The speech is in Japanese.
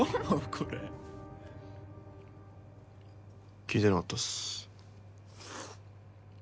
これ聞いてなかったっす